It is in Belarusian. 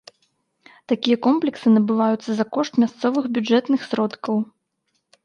Такія комплексы набываюцца за кошт мясцовых бюджэтных сродкаў.